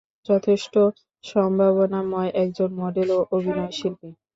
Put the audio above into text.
যথেষ্ট সম্ভাবনাময় একজন মডেল ও অভিনয়শিল্পী।